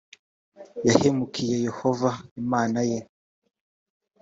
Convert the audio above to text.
yahemukiye yehova imana ye